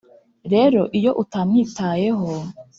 Rero iyo utamwitayeho